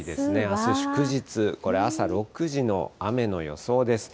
あす祝日、これ、朝６時の雨の予想です。